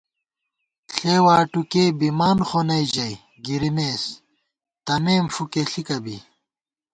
ݪےواٹوکےبِمان خو نئ ژَئی گِرِمېس تمېم فُکےݪِکہ بی